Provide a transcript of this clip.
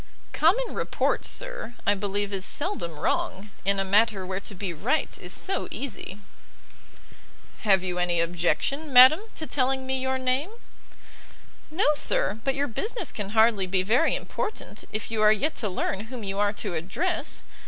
"Common report, sir, I believe is seldom wrong in a matter where to be right is so easy." "Have you any objection, madam, to telling me your name?" "No, sir; but your business can hardly be very important, if you are yet to learn whom you are to address.